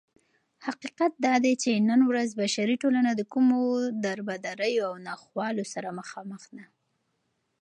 حقيقت دادى چې نن ورځ بشري ټولنه دكومو دربدريو او ناخوالو سره مخامخ ده